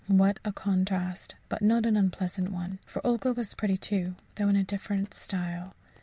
What a contrast, but not an unpleasant one for Olga was pretty, too, though in a different style.